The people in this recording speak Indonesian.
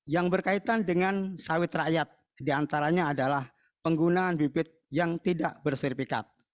yang berkaitan dengan sawit rakyat diantaranya adalah penggunaan bibit yang tidak berserpikat